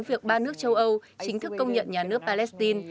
việc ba nước châu âu chính thức công nhận nhà nước palestine